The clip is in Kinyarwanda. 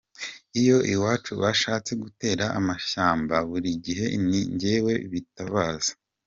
Iyo iwacu bashatse gutera amashyamba buri gihe ni jyewe bitabaza".